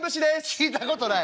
「聞いたことない！